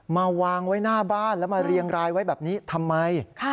มาวางไว้หน้าบ้านแล้วมาเรียงรายไว้แบบนี้ทำไม